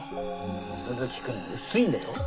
鈴木君薄いんだよ